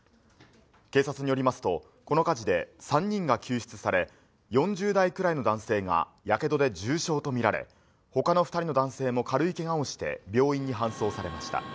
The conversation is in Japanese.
警察によりますとこの火事で３人が救出され４０代くらいの男性がやけどで重傷とみられ、他の２人の男性も軽いけがをして病院に搬送されました。